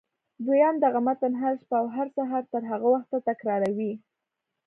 دويم دغه متن هره شپه او هر سهار تر هغه وخته تکراروئ.